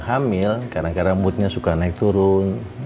hamil kadang kadang moodnya suka naik turun